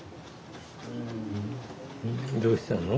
どうしたの？